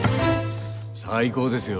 最高ですよ。